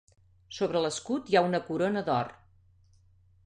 Sobre l'escut hi ha una corona d'or.